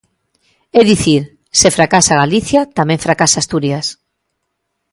É dicir, se fracasa Galicia, tamén fracasa Asturias.